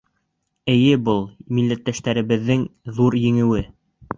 Эйе, был — милләттәштәребеҙҙең ҙур еңеүе!